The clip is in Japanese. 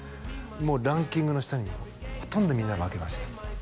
もうランキングの下にもほとんどみんな負けました